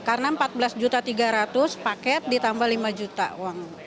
karena rp empat belas tiga ratus paket ditambah rp lima uang